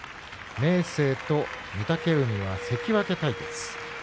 明生、御嶽海は関脇対決。